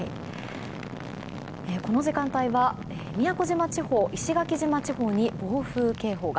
この時間帯は宮古島地方石垣島地方に暴風警報が。